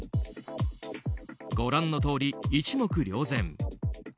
ご覧のとおり、一目瞭然。